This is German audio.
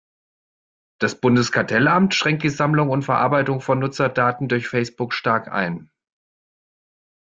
Das Bundeskartellamt schränkt die Sammlung und Verarbeitung von Nutzerdaten durch Facebook stark ein.